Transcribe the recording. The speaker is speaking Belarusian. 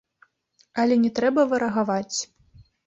Але не трэба варагаваць.